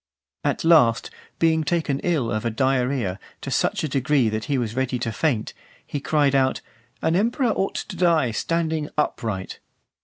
At last, being taken ill of a diarrhoea, to such a degree that he was ready to faint, he cried out, "An emperor ought to die standing upright."